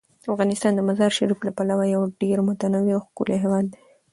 افغانستان د مزارشریف له پلوه یو ډیر متنوع او ښکلی هیواد دی.